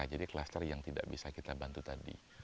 jadi klaster yang tidak bisa kita bantu tadi